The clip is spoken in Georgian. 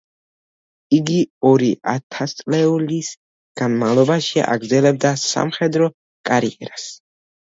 იგი ორი ათწლეულის განმავლობაში აგრძელებდა სამხედრო კარიერას.